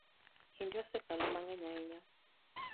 Kinde osekalo mang'eny ahinya.